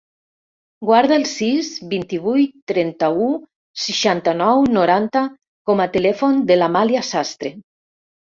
Guarda el sis, vint-i-vuit, trenta-u, seixanta-nou, noranta com a telèfon de l'Amàlia Sastre.